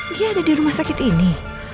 dia ada di rumah sakit ini